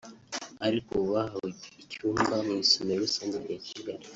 ariko ubu bahawe icyumba mu Isomero rusange rya Kigali